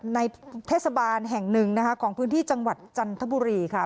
ในเทศบาลแห่งหนึ่งนะคะของพื้นที่จังหวัดจันทบุรีค่ะ